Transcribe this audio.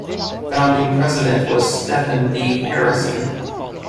Founding president was Stephen D. Harrison.